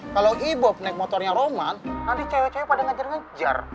kalau ibob naik motornya roman nanti cewek cewek pada ngejar ngejar